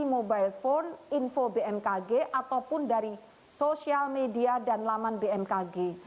mobile phone info bmkg ataupun dari sosial media dan laman bmkg